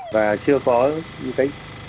và chưa có những cái